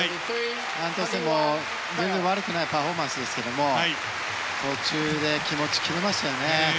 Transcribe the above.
アントンセンも、全然悪くないパフォーマンスですけれども途中で気持ちが切れましたね。